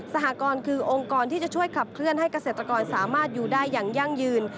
หกรณ์คือองค์กรที่จะช่วยขับเคลื่อนให้เกษตรกรสามารถอยู่ได้อย่างยั่งยืน